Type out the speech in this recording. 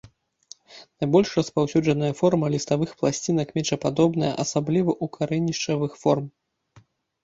Найбольш распаўсюджаная форма ліставых пласцінак мечападобная, асабліва ў карэнішчавых форм.